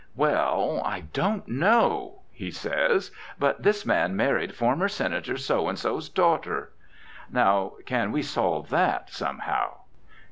"Well, I don't know," he says, "but this man married former Senator So and So's daughter." Now, can't we solve that, somehow?